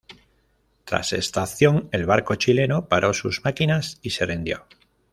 Tras esta acción, el barco chileno paró sus máquinas y se rindió.